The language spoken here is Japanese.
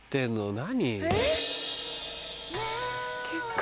何？